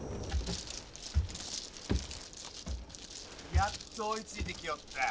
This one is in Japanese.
やっと追いついてきよった。